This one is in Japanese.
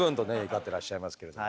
怒ってらっしゃいますけれども。